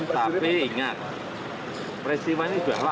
tapi ingat presiden jokowi